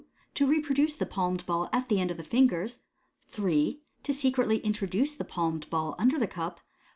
To reproduce the palmed ball at the end of the fingers. 3. To secretly introduce the palmed ball under the cup.